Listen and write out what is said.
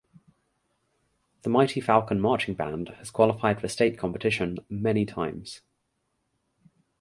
The Mighty Falcon Marching Band has qualified for state competition many times.